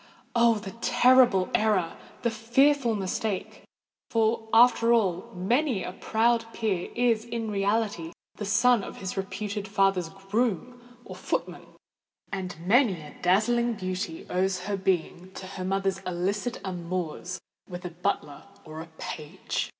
Oh! the terrible error—the fearful mistake! For, after all, many a proud peer is in reality the son of his reputed father's groom or footman; and many a dazzling beauty owes her being to her mother's illicit amours with a butler or a page!